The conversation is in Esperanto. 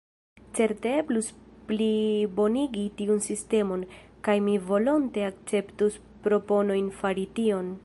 Certe eblus plibonigi tiun sistemon, kaj mi volonte akceptus proponojn fari tion.